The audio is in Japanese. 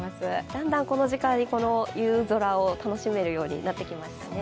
だんだんこの時間にこの夕空を楽しめるようになってきますね。